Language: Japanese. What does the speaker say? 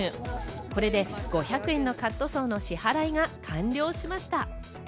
これで５００円のカットソーの支払いが完了しました。